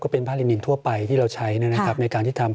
เป็นผ้าลินินทั่วไปที่เราใช้นะครับในการที่ทำ